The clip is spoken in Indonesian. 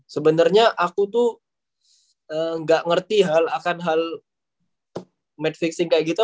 sebenernya aku tuh gak ngerti hal akan hal madfixing kayak gitu